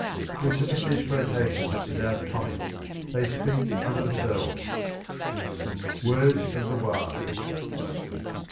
We submit these quotations without comment; they speak for themselves. WORDS OF THE WISE.